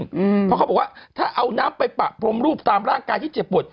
เพราะเขาบอกว่าถ้าเอาน้ำไปปะพรมรูปตามร่างกายที่เจ็บปวด